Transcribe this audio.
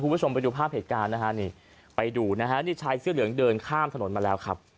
คุณผู้ชมไปดูภาพเหตุการณ์นะฮะนี่ไปดูนะฮะนี่ชายเสื้อเหลืองเดินข้ามถนนมาแล้วครับ